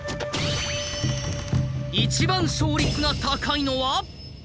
一番勝率が高いのは？